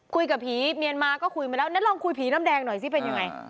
คุยกับผีเมียนมาก็คุยมาแล้วงั้นลองคุยผีน้ำแดงหน่อยสิเป็นยังไง